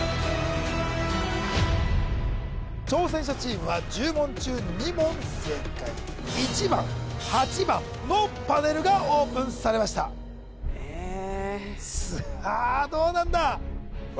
挑戦者チームは１０問中２問正解１番８番のパネルがオープンされました・えっさあどうなんだ？